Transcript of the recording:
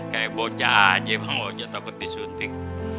kayak bocah aja bang ojo takut disuntik